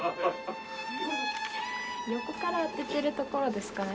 横から当ててるところですかね。